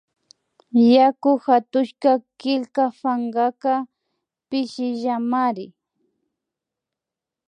Yaku hatushka killka pankaka pishillamari